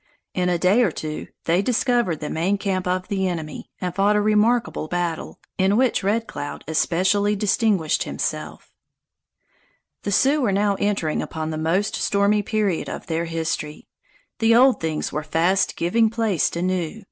In a day or two they discovered the main camp of the enemy and fought a remarkable battle, in which Red Cloud especially distinguished himself The Sioux were now entering upon the most stormy period of their history. The old things were fast giving place to new.